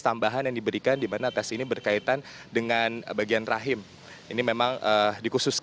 terima kasih pak